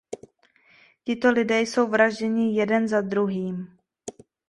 Tito lidé jsou vražděni jeden za druhým.